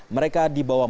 mereka dibawa masuk